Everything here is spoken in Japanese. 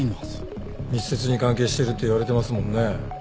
密接に関係してるっていわれてますもんね。